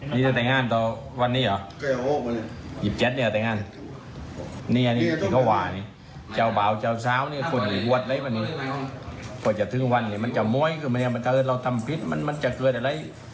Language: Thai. แต่โดยก็ต้องเข้าใจดีนะต้องเข้าใจสำรวจสำรวจธรรมนาธิตรงนี้ไม่เหมือนเราทำผิดตรงนี้